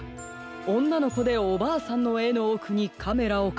「『おんなのこでおばあさん』のえのおくにカメラをかくした」と。